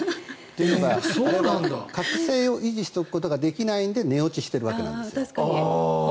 というのは覚醒を維持しておくことができないので寝落ちしているわけなんです。